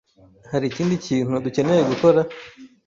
Hari ikindi kintu dukeneye gukora?